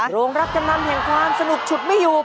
โรงรับจำนำแห่งความสนุกฉุดไม่อยู่